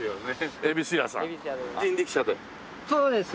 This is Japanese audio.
そうです。